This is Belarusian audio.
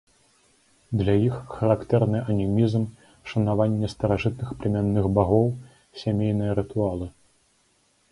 Для іх характэрны анімізм, шанаванне старажытных племянных багоў, сямейныя рытуалы.